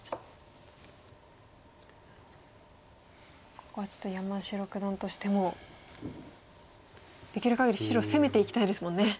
ここはちょっと山城九段としてもできるかぎり白を攻めていきたいですもんね。